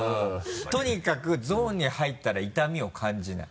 とにかくゾーンに入ったら痛みを感じない？